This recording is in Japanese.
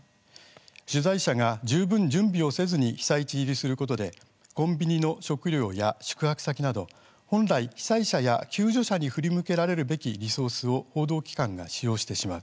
取材者が十分準備をせずに被災地入りすることでコンビニの食料や宿泊先など本来、被災者や救助者に振り向けられるべきリソースを報道機関が使用してしまう。